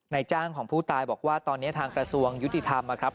จ้างของผู้ตายบอกว่าตอนนี้ทางกระทรวงยุติธรรมนะครับ